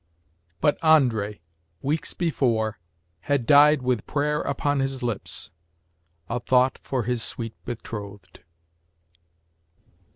BUT André, weeks before, had died with prayer upon his lips a thought for his sweet betrothed.